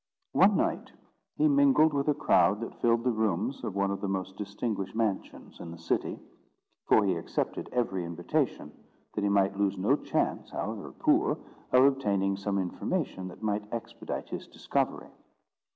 One night, he mingled with a crowd that filled the rooms of one of the most distinguished mansions in the city; for he accepted every invitation, that he might lose no chance, however poor, of obtaining some information that might expedite his discovery.